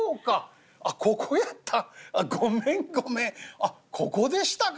あっここでしたか？